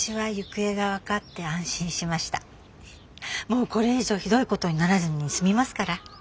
もうこれ以上ひどいことにならずに済みますから。